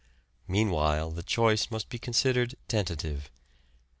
Meanwhile the choice must be considered tentative.